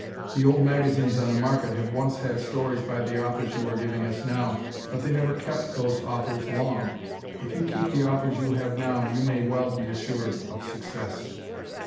The old magazines on the market have once had stories by the authors you are giving us now, but they never kept those authors long. If you keep the authors you have now you may well be assured of success.